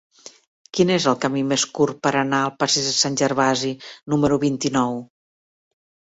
Quin és el camí més curt per anar al passeig de Sant Gervasi número vint-i-nou?